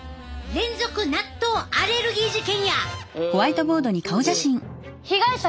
連続納豆アレルギー事件。